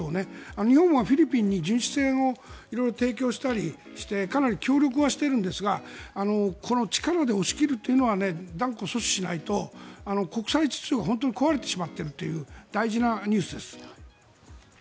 日本はフィリピンに巡視船を提供したりしてかなり協力しているんですが力で押し切るというのは断固阻止しないと、国際秩序が本当に壊れてしまっているという大事なニュースです。